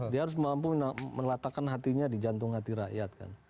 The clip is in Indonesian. dia harus mampu melatakan hatinya di jantung hati rakyat kan